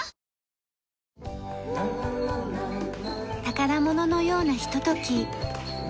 宝物のようなひととき。